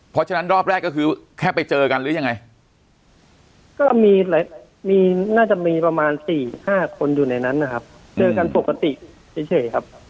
เพราะฉะนั้นรอบแรกก็คือแค่ไปเจอกันหรือยังไงก็มีน่าจะมีประมาณ๔๕คนอยู่ในนั้นนะครับเจอกันปกติเฉยครับ